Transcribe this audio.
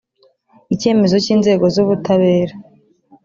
icyemezo cy inzego z ubutabera